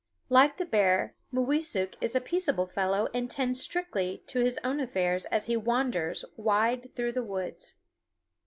Like the bear, Mooweesuk is a peaceable fellow and tends strictly to his own affairs as he wanders wide through the woods.